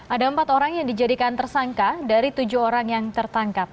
ada empat orang yang dijadikan tersangka dari tujuh orang yang tertangkap